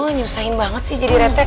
oh nyusahin banget sih jadi rt